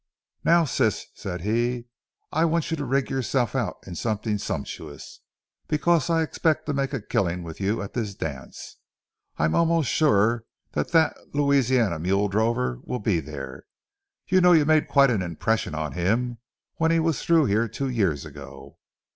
"Now, Sis," said he, "I want you to rig yourself out in something sumptuous, because I expect to make a killing with you at this dance. I'm almost sure that that Louisiana mule drover will be there. You know you made quite an impression on him when he was through here two years ago.